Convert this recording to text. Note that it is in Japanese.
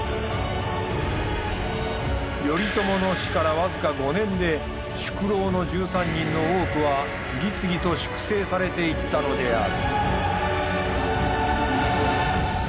頼朝の死から僅か５年で宿老の１３人の多くは次々と粛清されていったのである。